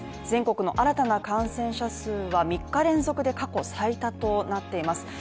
全国の新たな感染者数は３日連続で過去最多となっています。